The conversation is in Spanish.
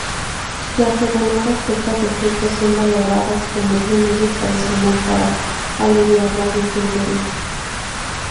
Las rebanadas secas de fruta son valoradas como remedio tradicional para aliviar la disentería.